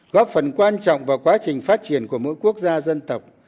góp phần quan trọng vào quá trình phát triển của mỗi quốc gia dân tộc